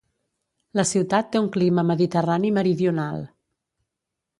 La ciutat té un clima mediterrani meridional.